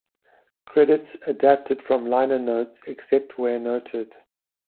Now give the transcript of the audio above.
Credits adapted from liner notes, except where noted.